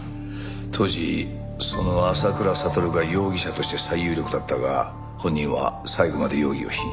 当時その浅倉悟が容疑者として最有力だったが本人は最後まで容疑を否認。